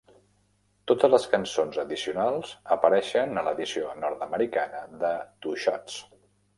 Totes les cançons addicionals apareixen a l'edició nord-americana de "Two Shots".